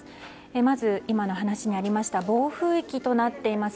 まず今の話にありました暴風域となっています